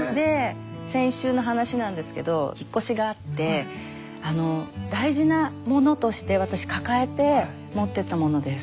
先週の話なんですけど引っ越しがあって大事なものとして私抱えて持ってったものです。